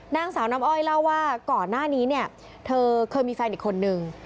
นางสาวน้ำอ้อยเล่าว่าก่อนหน้านี้เนี่ยเธอเคยมีแฟนอีกคนนึง